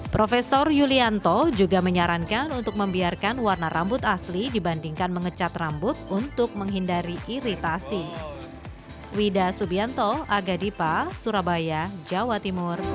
profesor yulianto juga menyarankan untuk membiarkan warna rambut asli dibandingkan mengecat rambut untuk menghindari iritasi